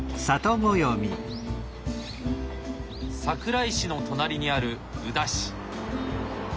桜井市の隣にある宇陀市。